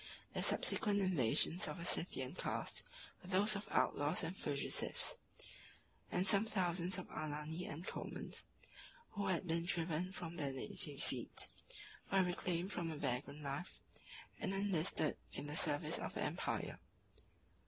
The subsequent invasions of a Scythian cast were those of outlaws and fugitives: and some thousands of Alani and Comans, who had been driven from their native seats, were reclaimed from a vagrant life, and enlisted in the service of the empire.